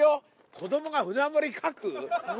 子どもが舟盛り描く？